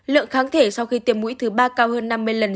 lượng kháng thể sau khi tiêm mũi thứ ba cao hơn năm mươi lần